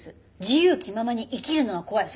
自由気ままに生きるのが怖い。